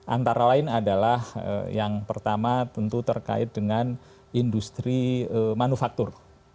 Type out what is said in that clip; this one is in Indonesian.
antara lain adalah yang pertama tentu terkait dengan industri manufaktur